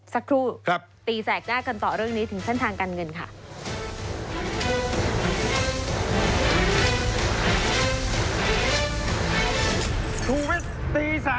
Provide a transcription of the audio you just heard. สักครู่ตีแสกหน้ากันต่อเรื่องนี้ถึงเส้นทางการเงินค่ะ